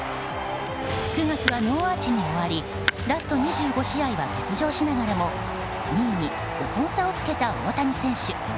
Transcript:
９月はノーアーチに終わりラスト２５試合は欠場しながらも２位に５本差をつけた大谷選手。